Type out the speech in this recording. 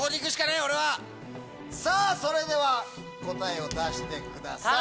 それでは答えを出してください。